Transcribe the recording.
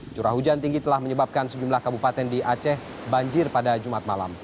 curah hujan tinggi telah menyebabkan sejumlah kabupaten di aceh banjir pada jumat malam